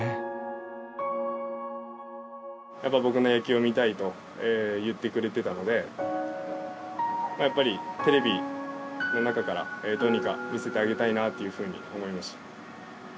やっぱ、僕の野球を見たいと言ってくれてたので、やっぱりテレビの中から、どうにか見せてあげたいなというふうに思いました。